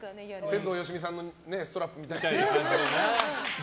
天童よしみさんのストラップみたいに。